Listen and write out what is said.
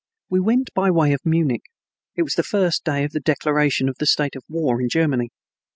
We went by way of Munich. It was the first day of the declaration of the state of war in Germany.